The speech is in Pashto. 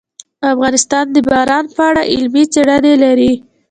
افغانستان د باران په اړه علمي څېړنې لري.